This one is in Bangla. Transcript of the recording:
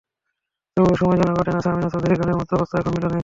তবু সময় যেন কাটে না, সামিনা চৌধুরীর গানের মতো অবস্থা এখন মিলনের।